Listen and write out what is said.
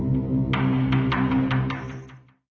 โปรดติดตามตอนต่อไป